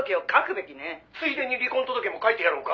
「ついでに離婚届も書いてやろうか？」